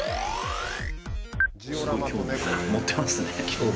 すごい興味を持ってますね。